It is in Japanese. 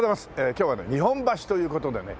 今日はね日本橋という事でね